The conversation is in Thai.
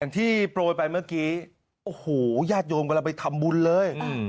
ที่โปรยไปเมื่อกี้โอ้โหญาติโยมกำลังไปทำบุญเลย